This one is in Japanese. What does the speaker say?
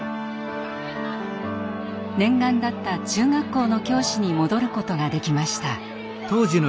念願だった中学校の教師に戻ることができました。